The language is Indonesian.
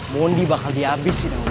bondi bakal dihabisin